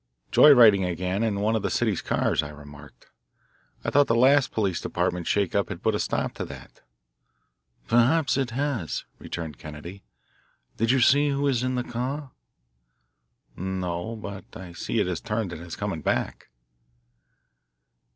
"Joy riding again in one of the city's cars," I remarked. "I thought the last Police Department shake up had put a stop to that." "Perhaps it has," returned Kennedy. "Did you see who was in the car?" "No, but I see it has turned and is coming back."